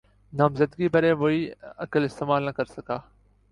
نامزدگی بھرے، وہی عقل استعمال نہ کر سکا۔